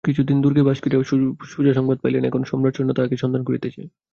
কিছুদিন দুর্গে বাস করিয়া সুজা সংবাদ পাইলেন এখনো সম্রাটসৈন্য তাঁহাকে সন্ধান করিতেছে।